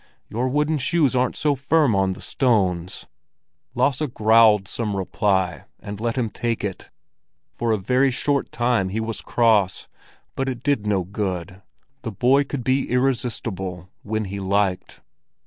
"Your wooden shoes aren't so firm on the stones." Lasse growled some reply, and let him take it. For a very short time he was cross, but it was no good; the boy could be irresistible when he liked.